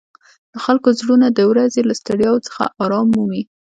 د خلکو زړونه د ورځې له ستړیاوو څخه آرام مومي.